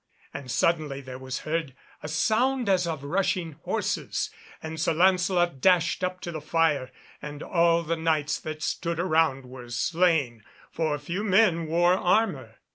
And suddenly there was heard a sound as of rushing horses, and Sir Lancelot dashed up to the fire, and all the Knights that stood around were slain, for few men wore armour.